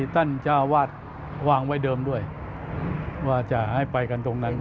ท่านเจ้าวาดวางไว้เดิมด้วยว่าจะให้ไปกันตรงนั้น